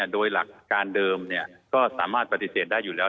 โดยหลักการเดิมก็สามารถปฏิเสธได้อยู่แล้ว